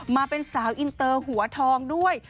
มาเป็นสาวอินเตอร์หัวทองด้วย